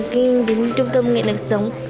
khi đến trung tâm nghị lực sống